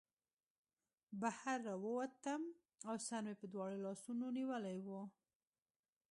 بهر راووتم او سر مې په دواړو لاسونو نیولی و